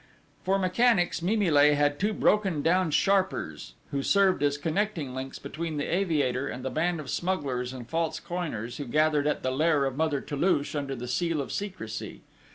For mechanics Mimile had two brokendown sharpers, who served as connecting links between the aviator and the band of smugglers and false coiners who gathered at the lair of Mother Toulouche under the seal of secrecy.